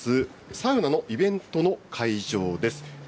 サウナのイベントの会場です。